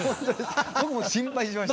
僕も心配しました。